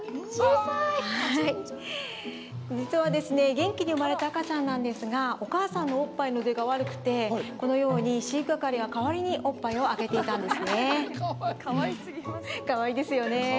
実は、元気に産まれた赤ちゃんなんですがお母さんのおっぱいの出が悪くてこのように飼育係が代わりにおっぱいをあげていたんですね。